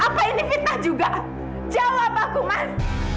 apa ini fitnah juga jawab aku mas